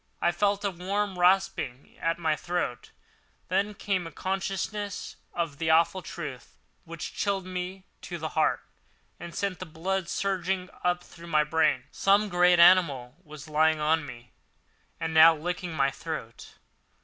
I felt a warm rasping at my throat, then came a consciousness of the awful truth, which chilled me to the heart and sent the blood surging up through my brain. Some great animal was lying on me and now licking my throat.